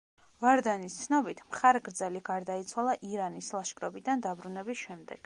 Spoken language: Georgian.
ვარდანის ცნობით, მხარგრძელი გარდაიცვალა ირანის ლაშქრობიდან დაბრუნების შემდეგ.